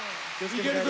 いけるぞ！